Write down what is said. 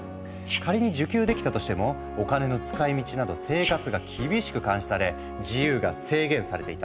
仮に受給できたとしてもお金の使いみちなど生活が厳しく監視され自由が制限されていたんだ。